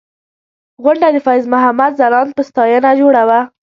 غونډه د فیض محمد ځلاند په ستاینه جوړه وه.